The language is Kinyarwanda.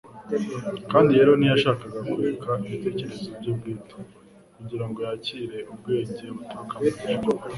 kandi rero ntiyashakaga kureka ibitekerezo bye bwite kugira ngo yakire ubwenge buturuka mu ijuru.